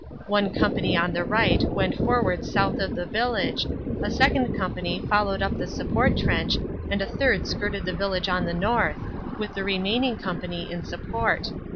One company on the right went forward south of the village, a second company followed up the support trench and a third skirted the village on the north, with the remaining company in support.